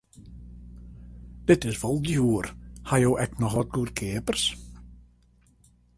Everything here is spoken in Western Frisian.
Dit is wol djoer, ha jo ek noch wat goedkeapers?